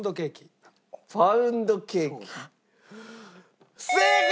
パウンドケーキ正解！